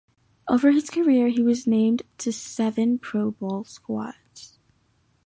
Over his career he was named to seven Pro Bowl squads.